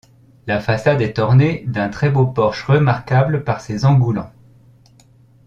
La façade est ornée d'un très beau porche remarquable par ses engoulants.